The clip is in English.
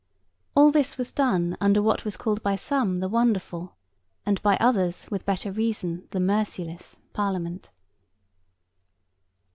All this was done under what was called by some the wonderful—and by others, with better reason, the merciless—Parliament.